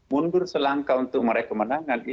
mundur selangkah untuk mereka menangani